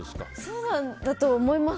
そうなんだと思います。